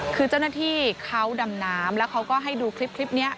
คือเจ้าหน้าที่เขาดำน้ำแล้วเขาก็ให้ดูคลิปนี้